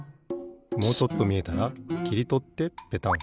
もうちょっとみえたらきりとってペタン。